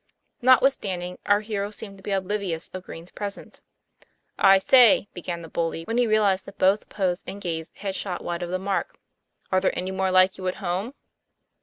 Notwithstanding, our hero seemed to be oblivious of Green's presence. 'I say," began the bully, when he realized that both pose and gaze had shot wide of the mark, " are there any more like you at home?"